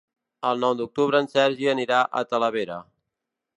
El nou d'octubre en Sergi anirà a Talavera.